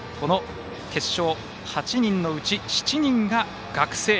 決勝８人のうち７人が学生。